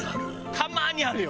たまにあるよ。